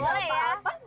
gak apa apa boleh